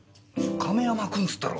「亀山君」つったろ？